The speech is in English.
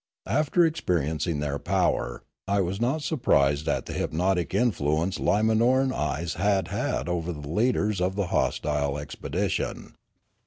After experiencing their power, I was not surprised at the hypnotic influence Limanoran eyes had had over the leaders of the hostile expedition.